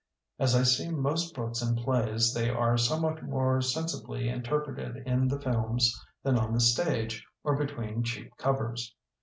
As I see most books and plays they are somewhat more sensibly interpreted in the films than on the stage or between cheap covers.